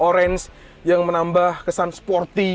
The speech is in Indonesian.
orange yang menambah kesan sporty